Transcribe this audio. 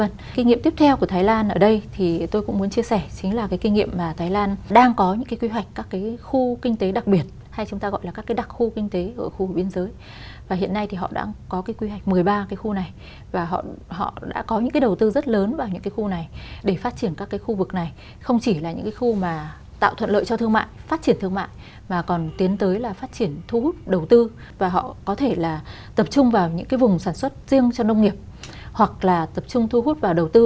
cái kinh nghiệm tiếp theo của thái lan ở đây thì tôi cũng muốn chia sẻ chính là cái kinh nghiệm mà thái lan đang có những cái quy hoạch các cái khu kinh tế đặc biệt hay chúng ta gọi là các cái đặc khu kinh tế ở khu biên giới và hiện nay thì họ đã có cái quy hoạch một mươi ba cái khu này và họ đã có những cái đầu tư rất lớn vào những cái khu này để phát triển các cái khu vực này không chỉ là những cái khu mà tạo thuận lợi cho thương mại phát triển thương mại mà còn tiến tới là phát triển thu hút đầu tư và họ có thể là tập trung vào những cái vùng sản xuất riêng cho nông nghiệp hoặc là tập trung thu hút vào đầu tư